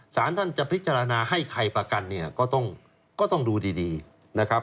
สารท่านจะพิจารณาให้ใครประกันเนี่ยก็ต้องดูดีนะครับ